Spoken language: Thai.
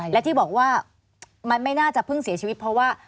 และที่บอกว่ามันไม่น่าจะเพิ่งเสียชีวิตเพราะว่า